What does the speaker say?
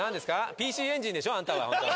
ＰＣエンジンでしょアンタはホントに。